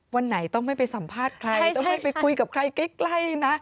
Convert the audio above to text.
วันไหนต้องไม่ไปสัมภาษณ์ใครต้องไม่ไปคุยกับใครใกล้นะ